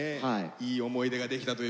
いい思い出ができたということで。